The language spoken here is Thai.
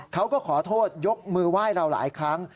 เขาก็ขอโทษยกมือไหว้เราหลายครั้ง